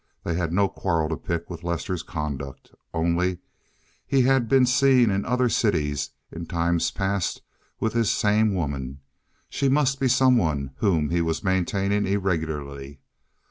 They had no quarrel to pick with Lester's conduct. Only he had been seen in other cities, in times past, with this same woman. She must be some one whom he was maintaining irregularly.